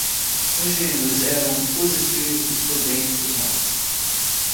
Os gênios eram os espíritos do bem e do mal.